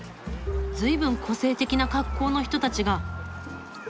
ずいぶん個性的な格好の人たちが。